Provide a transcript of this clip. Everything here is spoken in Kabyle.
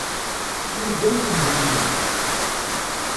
Turgamt Mhenni.